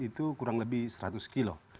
itu kurang lebih seratus kilo